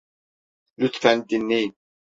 Lütfen dinleyin.